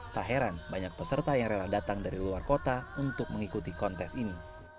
tak heran banyak peserta yang rela datang dari luar kota untuk mengikuti kontes ini